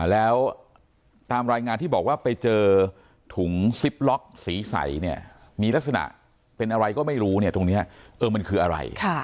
แล้วตามรายงานที่บอกว่าไปเจอถุงซิปล็อกสีใสเนี่ยมีลักษณะเป็นอะไรก็ไม่รู้เนี่ยตรงนี้มันคืออะไร